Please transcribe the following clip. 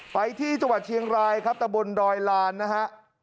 ไปที่จังหวัดเชียงรายครับตะบนดอยลานนะฮะ